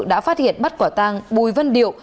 đã phát hiện bắt quả tăng bùi vân điệu